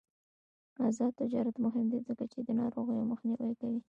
آزاد تجارت مهم دی ځکه چې د ناروغیو مخنیوی کوي.